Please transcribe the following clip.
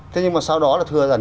thế nhưng mà sau đó là thừa dần